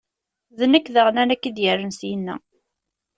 D nekk daɣen ara k-id-irren syenna.